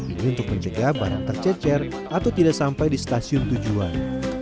ini untuk mencegah barang tercecer atau tidak sampai di stasiun tujuan